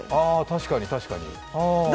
確かに確かに。